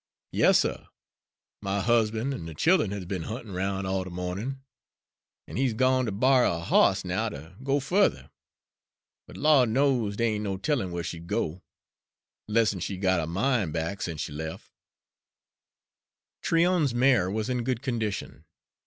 "Yas, suh, my husban' an' de child'en has been huntin' roun' all de mawnin', an' he's gone ter borry a hoss now ter go fu'ther. But Lawd knows dey ain' no tellin' whar she'd go, 'less'n she got her min' back sence she lef'." Tryon's mare was in good condition.